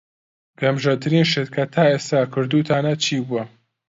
گەمژەترین شت کە تا ئێستا کردووتانە چی بووە؟